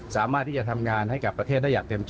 สามารถที่จะทำงานให้กับประเทศ